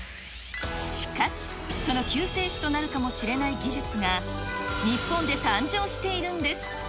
しかし、その救世主となるかもしれない技術が、日本で誕生しているんです。